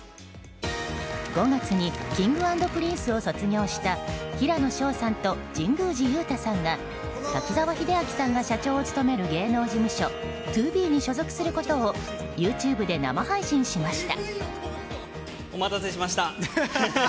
５月に、Ｋｉｎｇ＆Ｐｒｉｎｃｅを卒業した平野紫耀さんと神宮寺勇太さんが滝沢秀明さんが社長を務める芸能事務所ＴＯＢＥに所属することをＹｏｕＴｕｂｅで生配信しました。